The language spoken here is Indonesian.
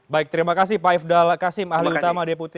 baik terima kasih pak ifdal kasim ahli utama deputi